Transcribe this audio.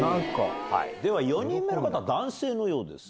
では４人目の方男性のようです